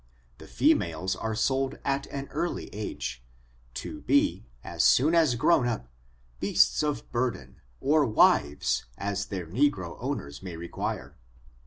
The females are sold at an early a^, to be, as soon as grown up, beasts of bur den, or wives, as their negro owners may require.